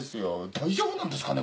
大丈夫なんですかね？